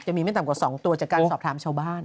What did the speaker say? มีไม่ต่ำกว่า๒ตัวจากการสอบถามชาวบ้าน